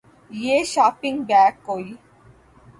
یہ shopping bag کوئی